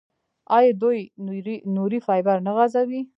آیا دوی نوري فایبر نه غځوي؟